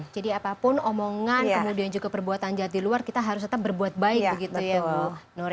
jadi apapun omongan kemudian juga perbuatan jahat di luar kita harus tetap berbuat baik begitu ya bu nur ya